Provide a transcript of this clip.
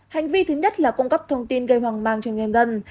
hành vi thứ nhất là cung cấp thông tin gây hoang mang cho nhân dân